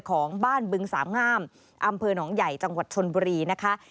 ของบ้านบึงสามงามอำเภอหนองใหญ่จังหวัดชนบุรีนะคะ